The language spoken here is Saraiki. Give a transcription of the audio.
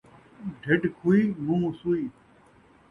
ڈڈھ کھوئی ، مون٘ہہ سوئی